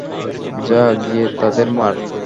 যা, গিয়ে তাদের মার।